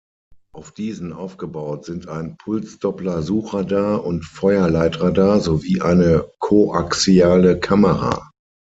Auf diesen aufgebaut sind ein Pulsdoppler-Suchradar und -Feuerleitradar sowie eine koaxiale Kamera.